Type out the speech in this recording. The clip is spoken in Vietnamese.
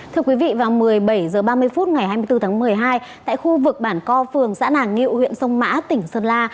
thưa quý vị vào một mươi bảy h ba mươi phút ngày hai mươi bốn tháng một mươi hai tại khu vực bản co phường xã nàng ngự huyện sông mã tỉnh sơn la